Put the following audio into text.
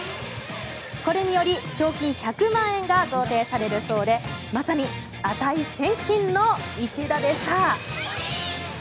これにより、賞金１００万円が贈呈されるそうでまさに値千金の一打でした。